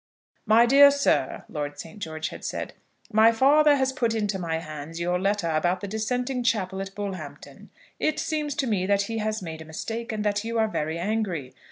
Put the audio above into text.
MY DEAR SIR, (Lord St. George had said,) My father has put into my hands your letter about the dissenting chapel at Bullhampton. It seems to me, that he has made a mistake, and that you are very angry.